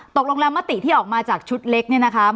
ตกลงแล้วมติที่ออกมาจากชุดเล็กเนี่ยนะคะ